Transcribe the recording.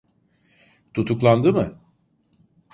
Tutuklandı mı?